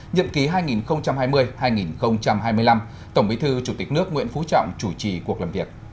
nhậm ký hai nghìn hai mươi hai nghìn hai mươi năm tổng bí thư chủ tịch nước nguyễn phú trọng chủ trì cuộc làm việc